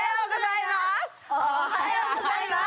おはようございます！